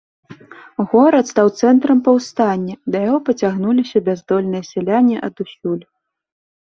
Горад стаў цэнтрам паўстання, да яго пацягнуліся бяздольныя сяляне адусюль.